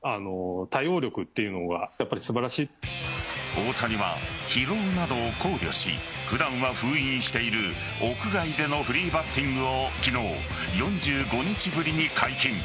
大谷は疲労などを考慮し普段は封印している屋外でのフリーバッティングを昨日、４５日ぶりに解禁。